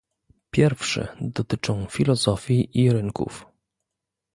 Pierwsze dotyczą filozofii i rynków